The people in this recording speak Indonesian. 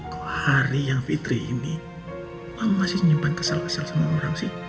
kok hari yang fitri ini mama masih nyimpan kesal kesal sama orang sih